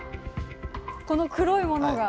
この黒いものが？